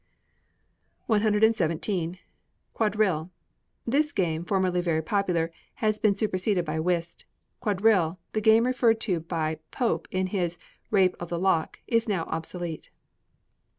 117. Quadrille. This game, formerly very popular, has been superseded by Whist. Quadrille, the game referred to by Pope in his "Rape of the Lock," is now obsolete.